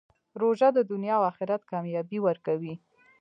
روژه د دنیا او آخرت کامیابي ورکوي.